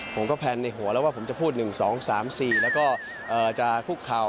ผมก็แพลนในหัวแล้วว่าผมจะพูด๑๒๓๔แล้วก็จะคุกเข่า